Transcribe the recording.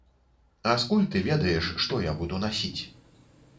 А скуль ты ведаеш, што я буду насіць?